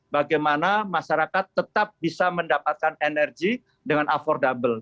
bagaimana masyarakat tetap bisa mendapatkan energi dengan affordable